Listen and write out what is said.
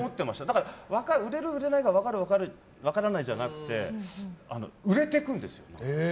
だから売れる、売れないが分かる分からないじゃなくて売れていくんですよ。